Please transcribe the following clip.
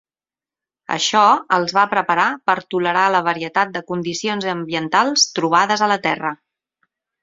Això els va preparar per tolerar la varietat de condicions ambientals trobades a la terra.